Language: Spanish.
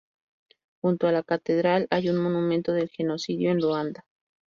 Junto a la catedral hay un monumento del genocidio en Ruanda.